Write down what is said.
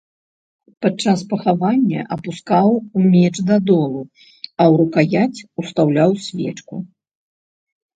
Пад час пахавання апускаў меч да долу, а ў рукаяць устаўляў свечку.